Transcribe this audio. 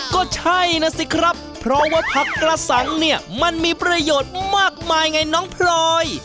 ก็ใช่นะสิครับเพราะว่าผักกระสังเนี่ยมันมีประโยชน์มากมายไงน้องพลอย